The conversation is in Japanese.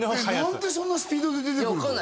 何でそんなスピードで出てくるの？